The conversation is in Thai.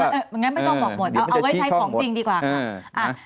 เอาไว้ไม่ต้องบอกหมดเอาไว้ใช้ของจริงดีกว่าครับ